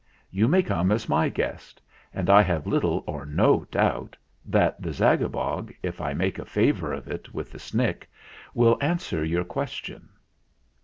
You may come as my guest, and I have little or no doubt that the Zagabog, if I make a favour of it with the Snick, will an swer your question."